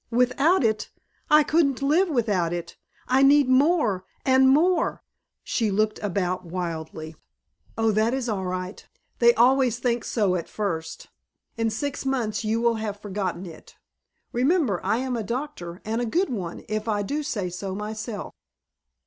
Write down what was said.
"Without it? I couldn't live without it. I need more and more " She looked about wildly. "Oh, that is all right. They always think so at first. In six months you will have forgotten it. Remember, I am a doctor and a good one, if I say so myself."